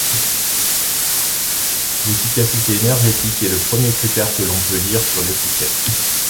L’efficacité énergétique est le premier critère que l’on peut lire sur l’étiquette.